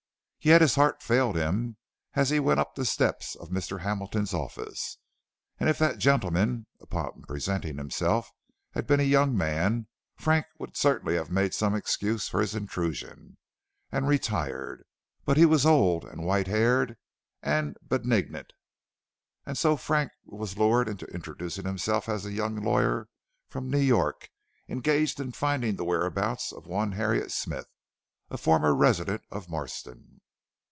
Yet his heart failed him as he went up the steps of Mr. Hamilton's office, and if that gentleman, upon presenting himself, had been a young man, Frank would certainly have made some excuse for his intrusion, and retired. But he was old and white haired and benignant, and so Frank was lured into introducing himself as a young lawyer from New York, engaged in finding the whereabouts of one Harriet Smith, a former resident of Marston.